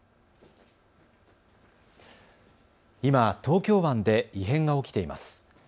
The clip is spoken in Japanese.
今、東京湾で異変が起きています。